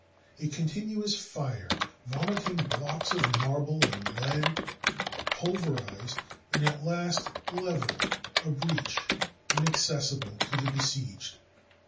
A continuous fire, vomiting blocks of marble and lead, pulverized, and at last leveled a breach inaccessible to the besieged.